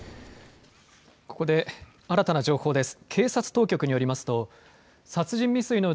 ここで新たな情報です。